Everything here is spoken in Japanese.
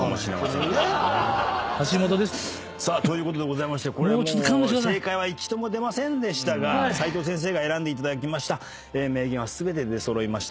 さあということでございまして正解は一度も出ませんでしたが齋藤先生に選んでいただきました名言は全て出揃いました。